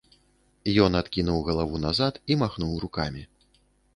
Ён адкінуў галаву назад і махнуў рукамі.